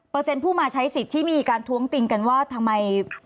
ผู้มาใช้สิทธิ์ที่มีการท้วงติงกันว่าทำไม